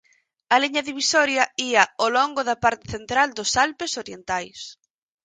A liña divisoria ía ao longo da parte central dos Alpes orientais.